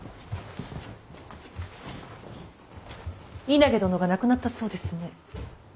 稲毛殿が亡くなったそうですね。